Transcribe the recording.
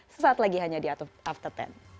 sesaat lagi hanya di after sepuluh